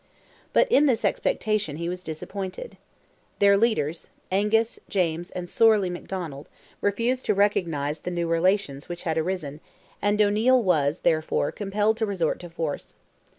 But in this expectation he was disappointed. Their leaders, Angus, James, and Sorley McDonald, refused to recognize the new relations which had arisen, and O'Neil was, therefore, compelled to resort to force.